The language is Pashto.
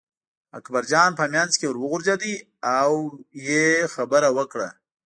اکبرجان په منځ کې ور وغورځېد او یې خبره وکړه.